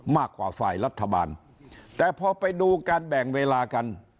มากกว่าฝ่ายรัฐบาลแต่พอไปดูการแบ่งเวลากัน